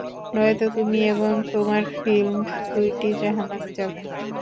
নয়তো তুমি এবং তোমার ফিল্ম, দুইট জাহান্নামে যাবে।